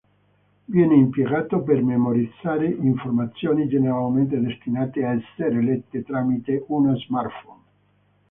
Viene impiegato per memorizzare informazioni generalmente destinate a essere lette tramite uno smartphone.